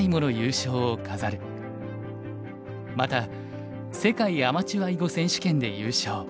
また世界アマチュア囲碁選手権で優勝。